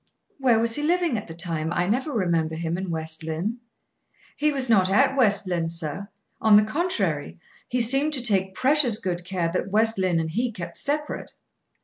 "Where was he living at the time? I never remember him in West Lynne." "He was not at West Lynne, sir. On the contrary, he seemed to take precious good care that West Lynne and he kept separate.